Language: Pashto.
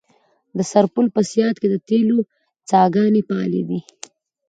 د سرپل په صیاد کې د تیلو څاګانې فعالې دي.